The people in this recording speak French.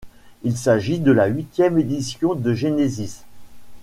Il s'agit de la huitième édition de Genesis.